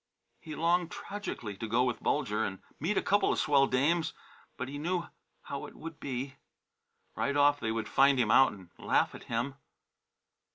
He longed tragically to go with Bulger and meet a couple of swell dames, but he knew how it would be. Right off they would find him out and laugh at him.